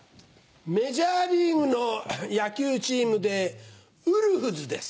メジャーリーグの野球チームでウルフズです。